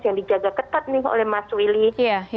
yang dijaga ketat nih oleh mas willy